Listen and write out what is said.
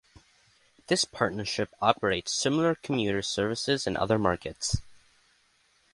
This partnership operates similar commuter services in other markets.